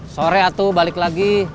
sore atu balik lagi